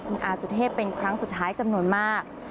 คุณอาสุเทพเป็นครั้งสุดท้ายจำนวนมาก